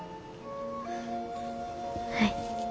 はい。